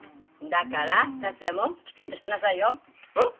だから達也もきちんとしてなさいよ。えっ？